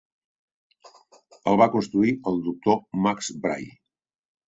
El va construir el Doctor Max Bray.